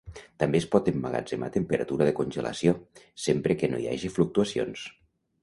També es pot emmagatzemar a temperatura de congelació, sempre que no hi hagi fluctuacions.